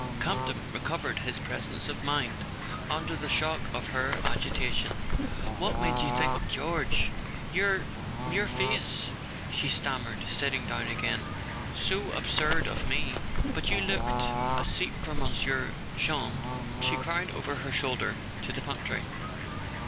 Campton recovered his [ 209 ] A SON AT THE FRONT presence of mind under the shock of her agitation. "What made you think of George?" "Your—your face," she stammered, sitting down again. "So absurd of me. .. But you looked. .. A seat for monsieur, Jeanne," she cried over her shoulder to the pantry.